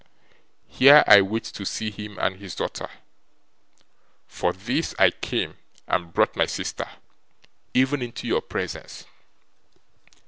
Here I wait to see him and his daughter. For this I came and brought my sister even into your presence.